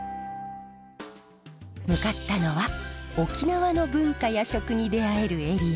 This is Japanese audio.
向かったのは沖縄の文化や食に出会えるエリア。